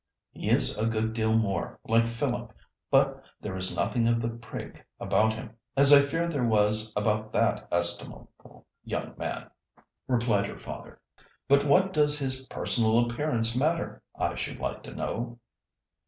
"He is a good deal more like Philip, but there is nothing of the prig about him, as I fear there was about that estimable young man," replied her father. "But what does his personal appearance matter, I should like to know?"